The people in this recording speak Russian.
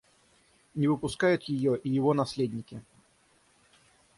Не выпускают ее и его наследники.